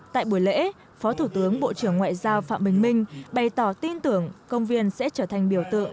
tại buổi lễ phó thủ tướng bộ trưởng ngoại giao phạm bình minh bày tỏ tin tưởng công viên sẽ trở thành biểu tượng